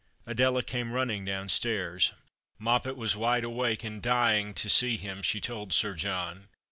xidela came running downstaii's. Moppet was wide awake and dying to see him, she told Sir John.